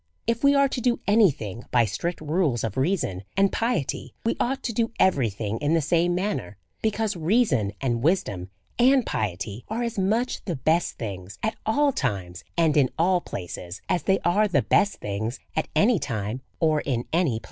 If we are to do any thing by strict rules of reason and piety, we ought to do everything in the same manner; because reason, and wisdom, and piety, are as much the best things at all times and in all places, as they are the best thing's at any time or in any place.